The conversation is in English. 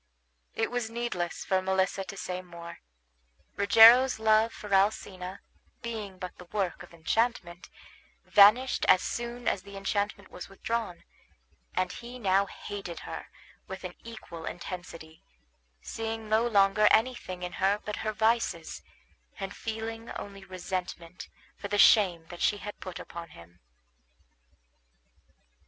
It was needless for Melissa to say more. Rogero's love for Alcina, being but the work of enchantment, vanished as soon as the enchantment was withdrawn, and he now hated her with an equal intensity, seeing no longer anything in her but her vices, and feeling only resentment for the shame that she had put upon him.